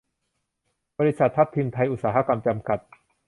บริษัท ทับทิมไทยอุตสาหกรรม จำกัด